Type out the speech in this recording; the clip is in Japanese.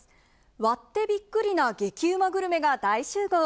割ってビックリな激うまグルメが大集合。